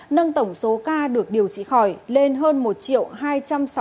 nâng tổng số ca được điều trị khỏi lên hơn một hai trăm sáu mươi ca